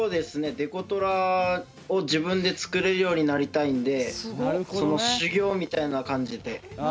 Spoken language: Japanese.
デコトラを自分で作れるようになりたいんでその修業みたいな感じで。